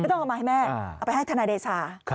ต้องเอามาให้แม่เอาไปให้ทนายเดชา